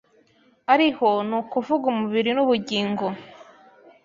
ariho ni ukuvuga Umubiri nubugingo